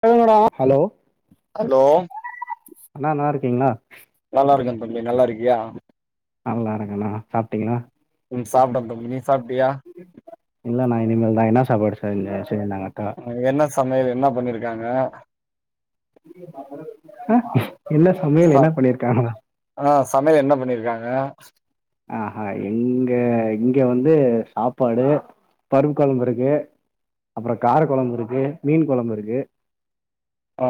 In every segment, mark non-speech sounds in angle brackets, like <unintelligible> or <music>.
சொல்லுங்கடா hello hello அண்ணா நல்லாருக்கீங்ளா நல்லா இருக்க தம்பி நல்லாருக்கியா நல்லாருக்கண்ணா சாப்டிங்களா ம் சாப்ட்ட தம்பி நீ சாப்டியா இல்லண்ணா இனிமேல் தா என்னா சாப்பாடு செஞ்ச செரி நா வரட்டா என்ன சமையல் என்ன பண்ணிருக்காங்க அ என்ன ச சமையல் என்ன பண்ணிருக்காங்களா வே ஆஹா எங்க இங்க வந்து சாப்பாடு பருப்பு கொழம்புருக்கு அப்றோ கார கொழம்புருக்கு மீன் கொழம்புருக்கு அ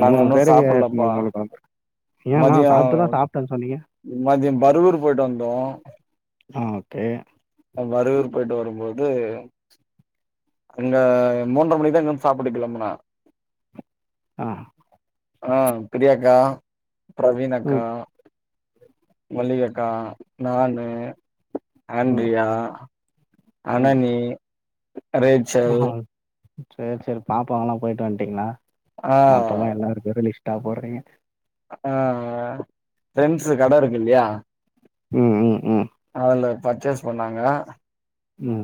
நாங்க மூணு உன்னு பேருக்கு சாப்பில்லபா மூணு மூணு கொழம்பு ஏண்ணா மதியம் சாப்ட்டுதான் சாப்ட்டேன்னு சொன்னீங்க மதியம் பருூர் போயிட்டு வந்தோம் ஆ ஓகே ஆ பருகூர் போய்ட்டு வரும்போது அங்க மூன்ற மணிதா இங்கந்து சாப்புட்டு கெளம்புனு ஆ ஆ பிரியாக்கா பிரவீனாக்கா ம் மல்லியக்கா நானு ம் ஆன்ட்ரியா ம் அனனீ ரேச்சல் செர் செரி பாப்பாங்கல்லா போய்ட்டு வன்ட்டீங்ளா ஆ மொத்தமா எல்லாரு கேக்கோலி தா போறீங்க அ ஆ ஃப்ரெண்ட்ஸு கட இருக்கில்லியா ம் ம் ம் அதுல பர்ச்சஸ் பண்ணாங்க ம்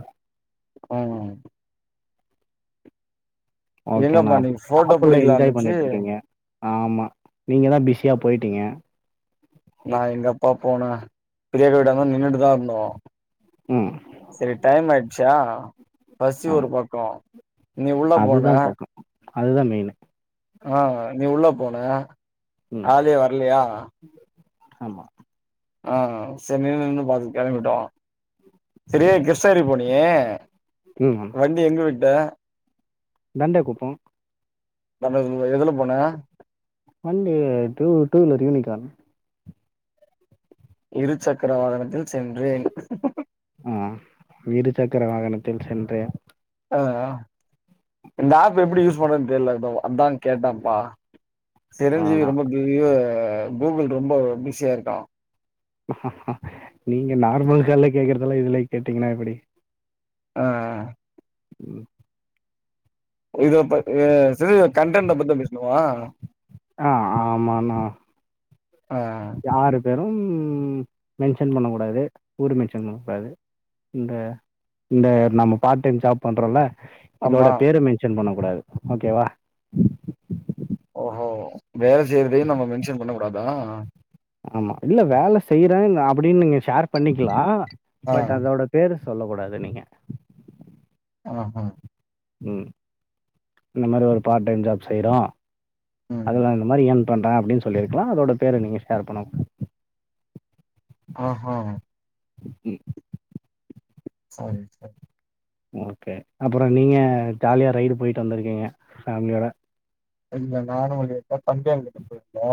ம் ஓகே நா எங்கப்பா நீங்க போட்டோ சப்புள்ள என்ஜாய் புடிக்கலான்னுச்சு பண்ணிட்ருக்கீங்க ஆமா நீங்க தா பிஸியா போய்டீங்க நா எங்கப்பா போனே பிரியாக்கா வீடாந்த நின்னுட்டுதா இருந்தோ ம். சேரி டைம் ஆய்ட்சா பசி ஆ ஒரு பக்கோ நீ உள்ள போன அதுதான் பக்கம். அதுதான் மெயினு. ஆ நீ உள்ள போன ம். ஆலே வர்லையா ஆமா ஆ செர் நின்னு நின்னு பாத் கெளம்பிட்டோ செரி ம். கிருஷ்ணகிரி போனியே வண்டி எங்க விட் ட தண்ட குப்போ தன்ராஜு நீங்க எதுல போன வண்டி டூ டூவீலர் யூனிகானு இரு சக்கர வாகனத்தில் சென்றேன் இரு சக்கர வாகனத்தில் சென்று போதாதா இந்த ஆப் எப்டி யூஸ் பண்றதுன் தெர்ல பாவோ அதா கேட்ட பா சிரஞ்சீவி ஆமா. ரொம்ப பெரிய கூகுள் ரொம்ப பிஸியா இருக்கா நீங்க நார்மல் கால்ல கேக்கறதெல்லா இதுலை கேட்டீங்கனா எப்புடி ஆ ம் இது உப்ப அ சிரஞ்சீவி கண்டெண்ட பத்தா பேஸ் ஆ ஆமாணா ஆ யாரு பேரும் மென்ஷன் பண்ண கூடாது ஊரு மென்ஷன் பண்ண கூடாது இந்த இந்த நம்ம பார்ட் டைம் ஜாப் பண்றோ இல்ல இதோட ஆமா பேரு மென்ஷன் பண்ண கூடாது ஓகேவா ஒ வேல செய்யறதையு நம்ம மென்ஷன் பண்ண கூடாதா ஆமா இல்ல வேல செய்றே அப்படின் நீங்க ஷேர் பண்ணிக்கிலா ஆ பட் அதோட பேரு சொல்லக்கூடாது நீங்க அஹா ம் இந்த மாரி ஒரு பார்ட் டைம் ஜாப் செய்யறோ ம் அதுல இந்த மாரி என் பண்ற அப்டின் சொல்லிருக்கோ அதோட பேர நீங்க ஷேர் பண்ணவு ஆஹா ம் சரி ஓகே அப்பறோ நீங்க ஜாலியா ரைடு போயிட்டு வந்திருக்கீங்க ஃபேமிலியோட இல்ல நானு உங்கிட்ட பந்தைய கட்ட போய்ருந்தோ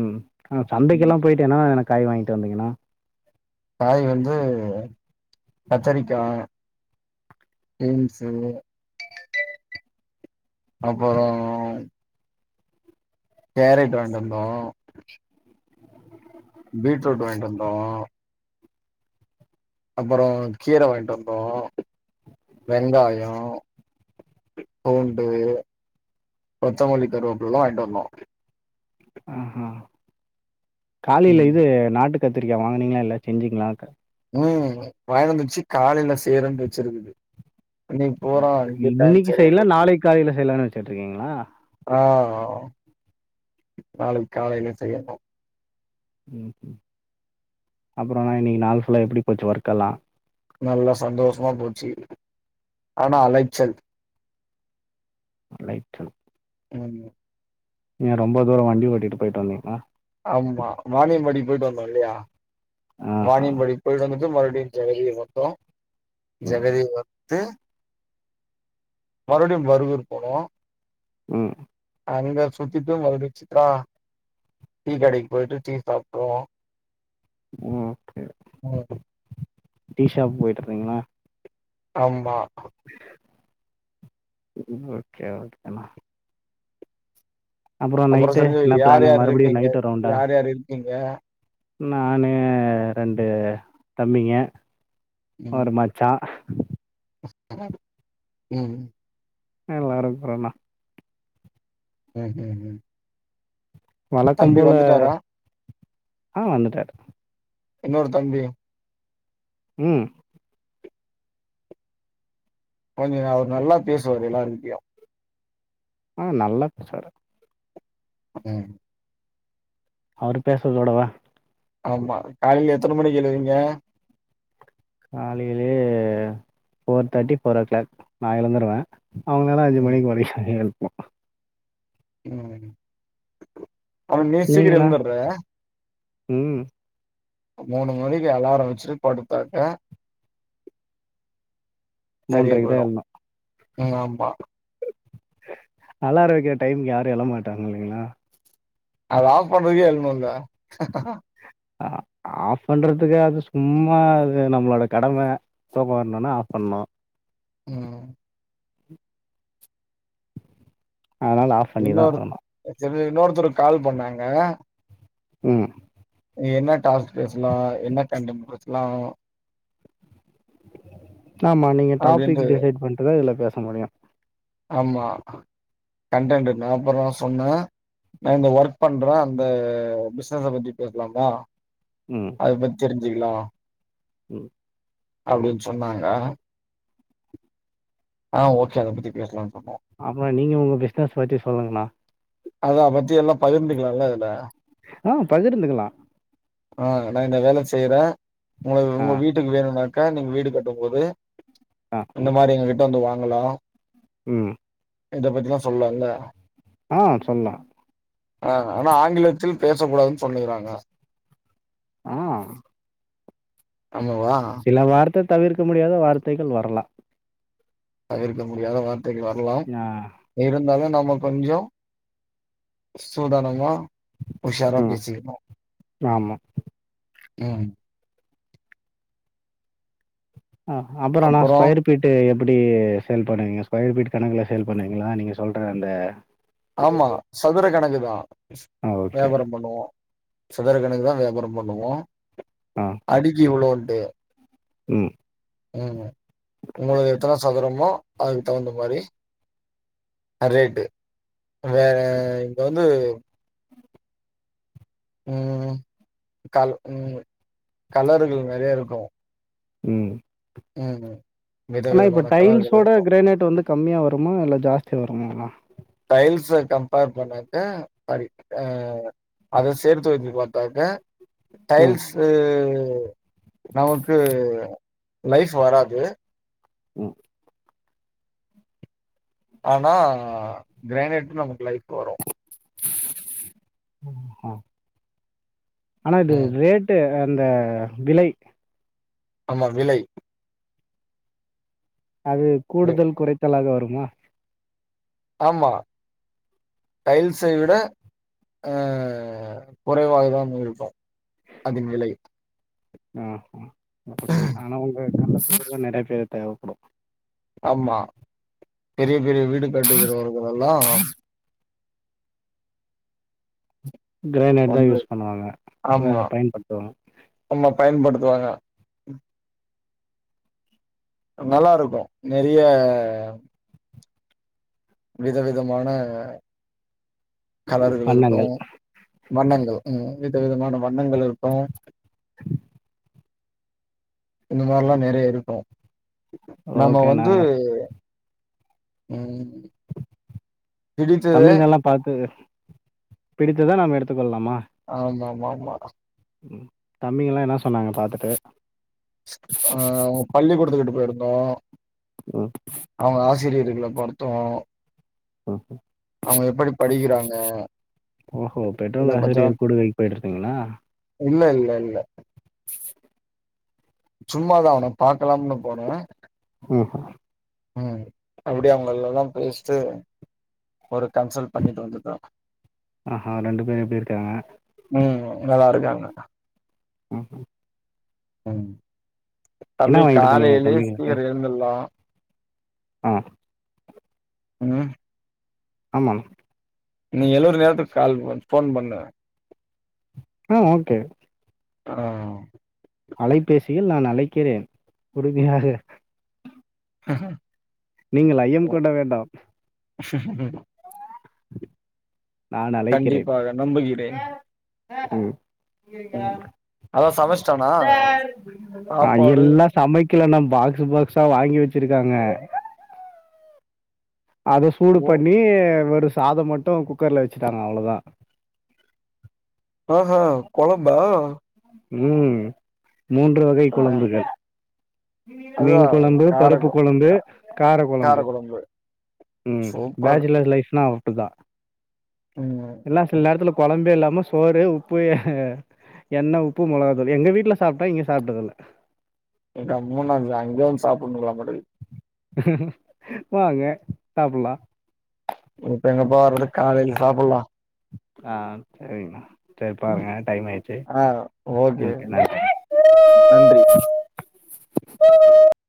ம் ஆ ம் சந்தைக்கெல்லா போயிட்டு வேனா எனக் காய் வாய்ங்ட்டு வந்தீங்கனா காய் வந்து கத்தரிக்கா ம் சேர் அப்பறோ கேரட் வாய்ன்ட்டு வந்தோ பீட்ரூட் வாய்ன்ட்டு வந்தோ அப்புறோ கீர வாய்ன்ட்டு வந்தோ வெங்காயோ பூண்டு கொத்தமல்லி கருவாப்புலலெல்லா வாய்ட்டு வந்தோ ஆஹா காலில ம் இது நாட்டு கத்திரிக்கா வாங்னீங்ளா இல்ல செஞ்சிங்ளா ம் வாய்ன்டு வந்தாச்சி காலையில செய்றேன்ட் வச்சிருக்குது இன்னிக் பூறா இங்க டைம் இன்னைக்கு செரியா செய்யல, போச்சி நாளைக்கு காலையில செய்யலான்னு வச்சுட்டு இருக்கீங்களா? ஆ நாளைக் காலையில செய்யனு ம் அப்றோனா இன்னிக்கு நாள் ஃபுல்லா எப்டி போச்சி ஒர்கெல்லா நல்லா சந்தோஷமா போச்சி ஆனா அலைச்சல் அலைச்சல் ஆமா ஏ ரொம்ப தூரோ வண்டி ஓட்டிட்டு போயிட் வந்தீங்ளா ஆமா வானியம்பாடி போய்ட்டு வந்தோ இல்லையா ஆஹா வானியம்படி போய்ட்டு வந்துட்டு மறுப டீம் ஜெகதிய மொத்தோ ம் ஜகதி வத்து மறுபடியு பருகூர் போனோ ம் அங்க சுத்திட்டு மறுபடி சித்ரா டீ கடைக்கு போய்ட்டு டீ சாப்பில்லா ம் ம் டீ ஷாப் போய்ட்ருந்தீங்ளா ஆமா ஓகே ஓகேனா அப்பற சஞ்சய் என்ன யார் பிளானு யார் மறுபடியு இருக்கீங்க நைட்டு ரவுண்டா யார் யார் இருக்கீங்க நானு ரெண்டு தம்பிங்க ம் ஒரு மச்சா ம் எல்லாரு இருக்குறோண்ணா ம் ம் ம் வழக்கம் தம்பி போல வந்துட்டாரா ஆ வந்துட்டாரு இன்னொரு தம்பி ம் கொஞ்ச நா அவரு நல்லா பேசுவாரு எல்லாருகிட்டயு ஆ நல்லா பேசுவாரு ம் அவரு பேசுறதோடவா ஆமா காலைல எத்த மணிக்கு எழுவீங்க காலைலே four thirty four o'clock நா எழுந்துருவே அவ்ங்கலா அஞ்சு ம் மணிக்கு மறுபடி <unintelligible> ம் அவ்ங்களுக்கு முன்னாடி சீக்கிர நீங்கண்ணா எழுந்துர்ற ம் மூணு மணிக்கு அலார வச்சுட்டு படுத்தாக்க சரியா மூன்றைக்கு தா போயிடு எழ்ணு ம் ஆமா அலார வக்கிற டைமுக்கு யாரு எழமாட்டாங்க இல்லைங்ளா அத ஆஃப் பண்றதுக்கே எழ்னுல ஆ அ ஆஃப் பண்றத்துக்கு அது சும்மா அது நம்மளோட கடம தூக்க வர்ணுனா ஆஃப் பண்ணனு ம் அதனால ஆஃப் பண்ணிதா ஆகணு தம்பி இன்னொருத்தரு கால் பண்ணாங்க ம் அ என்ன டாஸ்க் பேசலா என்ன கண்டன்ட் பேசலா ஆமா நீங்க டாபிக் அப்டின்ட்டு டிசைட் பண்ட்டு தா இதுல பேச முடியு ஆமா கண்டன்ட் இல்ல அப்பறோ சொன்னே நா இந்த ஒர்க் பண்றே அந்த பிஸ்னஸ்ச பத்தி பேசலாமா ம் அத பத் தெரிஞ்சுக்குலா ம் அப்டின் ‌சொன்னாங்க ஆ ஓகே அத பத்தி பேசலானு சொன்னே அப்றோ நீங்க உங்க பிஸ்னஸ் பத்தி சொல்லுங்கண்ணா அத பத்தியெல்லா பகிர்ந்துக்கிற நல்லதுல ஆ பகிர்ந்துகலா ஆ நா இந்த வேலை செய்றே உங்களுக்கு ஆ உங்க வீட்டுக்கு வேணுனாக்கா நீங்க வீடு கட்டும் போது ஆ இந்த மாரி எங்க கிட்ட வந்து வாங்கலா ம் இத பத்திலா சொல்லால ஆ சொல்லா ஆ ஆனா ஆங்கிலத்தில் பேசக் கூடாதுன் சொல்லிர்றாங்க ஆ ஆமாவா சில வார்த்த தவிர்க்க முடியாத வார்த்தைகள் வரலா தவிர்க்க முடியாத வார்த்தைகள் வர்லாம் ஆ இருந்தாலு நம் இன்ன கொஞ்சோ சூதானமா உஷாரா ம் பேசிக்கிற்னு ஆமா ம் ஆ அப்புறோ ‌‌ நா ஸ்கொயர் பீட்டு எப் எப்டி சேல் பண்ணுவீங்க ஸ்கொயர் பீட்‌‌ கணக்குல சேல் பண்ணுவீங்களா நீங்க சொல்ற அந்த ஆமா சதுர கணக்கு தா ஆ ஓகே வியாபாரோ பண்ணுவோ சதுர கணக்கு தா வியாபாரோ பண்ணுவோ ஆ அடிக்கி இ்வ்ளோன்ட்டு ம் ம் உங்குளுக்கு எத்தன சதுரமோ அதுக்கு தகுந்த மாரி ஆ ரேட்டு வேற இங்க வந்து ம் கால் ம் கலருகள் நெறையா இருக்கு ம் ம் ம் ஆனா இப்ப டைல்ஸோட கிரானைைட் வந்து கம்மியா வருமா இல்ல ஜாஸ்தியா வருமாண்ணா டைல்ஸ கம்பேர் பண்ணாக்கா பாதி ஆ அத சேர்த்து வைத்து பாத்தாகா ம் டைல்ஸு கு நமக்கு லைஃப் வராது ம் ஆனா கிரானேட் நமக்கு லைஃப் வரு அ ஆனா இது ம் ரேட்டு இந்த விலை ஆமா விலை அது வி கூடுதல் குறைத்தலாக வருமா ஆமா டைல்சை விட அ குறைவாகதான் இருக்கு அதன் விலை ஆ ஓகே ஆனா உங்க கந்த <unintelligible> நெறைய பேரு தேவைப்படு ஆமா பெரிய பெரிய வீடு கட்டுகிறவர்கள்லெல்லாம் கிரைணடு தா வந்து யூஸ் பண்ணுவாங்க அத ஆமா பயன்படுத்துவோ ஆமா பயன்படுத்துவாங்க நல்லா இருக்கு நெறைய விதவிதமான கலர்கள் இருக்கு வண்ணங்கள் வண்ணங்கள் ம் வித விதமான வண்ணங்கள் இருக்கு இந்த மாரில்லா நெறைய இருக்கு நம்ம ஓகே வந்து நாங்க ம் பிடித்தது தம்பி நல்லா பாத்துக பிடித்தத நாம எடுத்துக்கொள்ளலாமா ஆமாமாமா தம்பிங்கல்லா என்னா சொன்னாங்க பாத்துட்டு தோ ம் அவ்ங்க ஆசிரியர்களை பொருத்துவோ ம் ஹூம் அவங்க எப்படி படிக்கிறாங்க ஓஹோ பெற்றோல் இத பத்திலா ஆசிரியர் கூடு கைக்கு போயிட்டுருந்தீங்களா இல்ல இல்ல இல்ல சும்மாதா அவன பாக்கலாம்னு போனே ம் ம் அப்டியே அவங்கல்ல பேசிட்டு ஒரு கன்சல்ட் பண்ணிட்டு வந்துட்ட ஆஹஹா ரெண்டு பேரு எப்டி இருக்காங்க ம் நல்லா இருக்காங்க ம்ஹும் ம் என்ன தம்பி வாங்கிட்டு போனீங்க காலையிலயே தம்பிங்களுக்கு சீக்கிரம் எழுந்துரலா ஆ உஹம் ஆமாங்க நீ எலுவுர நேரத்துக்கு கால் போ ஃபோன் பண்ணு ஆ ஓகே ஆ அலைபேசியில் நான் அழைக்கிறேன் உறுதியாக நீங்கள் ஐயம் கூட வேண்டாம் ஹ நான் அழைக்கிறேன். கண்டிப்பாக நம்புகிறேன் ம் ம் அதா சமைச்சிட்டானா ஆ சாப்பாடு எல்லா சமைக்கல ந பாக்ஸ்சு பாக்ஸா வாங்கி வச் வச்சிருக்காங்க அத சூடு ஓ பண்ணி வரு சாத மட்டு குக்கர்ல வச்சுட்டாங்க அவ்வளவுதா ஆஹா கொழம்பா ம் மூன்று வகை ஆ குழம்புகள் அதுவா மீன் குழம்பு கார பருப்பு கொ குழம்பு கா கார கொழம்பு ம் சூப்பர் பேஜலர் லைப்னா தா ம் எல்லா சில நேரத்துல கொழம்பே இல்லாம சோறு உப்பு என்ன உப்பு மொளகா தூள் எங்க வீட்டுல சாப்ட்டா இங்க சாப்ட்டதில்ல கம்முன்னு அங்க அங்கய வந்து சாப்பணும்ல்லா மட்டக்கு வாங்க சாப்பலா இப்போ எங்க பா வர்றது காலையில சாப்பலா ஆ சரிண்ணா சரி ம் பாருங்க டைம் ஆயிடுச்சு ஆ. ஓகே கெ நன்றி